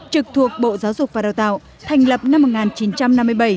trực thuộc bộ giáo dục và đào tạo thành lập năm một nghìn chín trăm năm mươi bảy